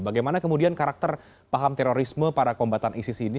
bagaimana kemudian karakter paham terorisme para kombatan isis ini